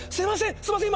すいません！